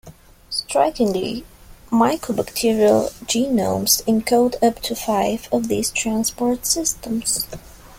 Strikingly, mycobacterial genomes encode up to five of these transport systems.